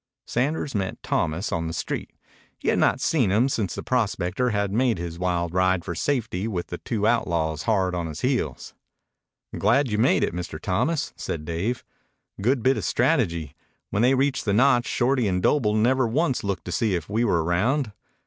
Sanders met Thomas on the street. He had not seen him since the prospector had made his wild ride for safety with the two outlaws hard on his heels. "Glad you made it, Mr. Thomas," said Dave. "Good bit of strategy. When they reached the notch, Shorty and Doble never once looked to see if we were around.